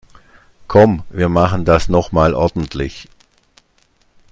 Komm, wir machen das noch mal ordentlich.